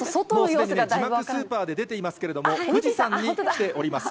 字幕スーパーで出ていますけれども、富士山に来ております。